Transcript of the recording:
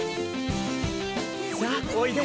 さあおいで。